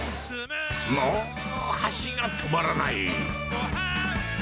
もう箸が止まらない。